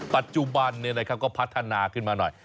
ปัจจุบันก็พัฒนาขึ้นมาหน่อย